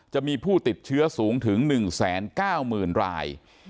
จะมีผู้ติดเชื้อสูงถึง๑แสน๙หมื่นราย